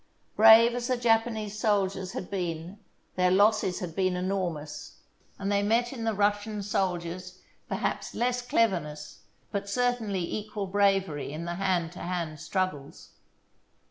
Brave as the Japanese sol diers had been, their losses had been enormous, and they met in the Russian soldiers perhaps less clever ness, but certainly equal bravery in the hand to hand struggles.